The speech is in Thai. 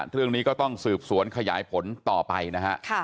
เรื่องนี้ก็ต้องสืบสวนขยายผลต่อไปนะฮะ